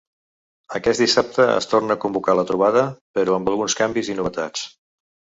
Aquest dissabte es torna a convocar la trobada, però amb alguns canvis i novetats.